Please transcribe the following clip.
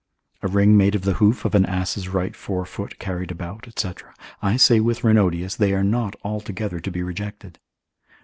A ring made of the hoof of an ass's right fore foot carried about, &c. I say with Renodeus, they are not altogether to be rejected.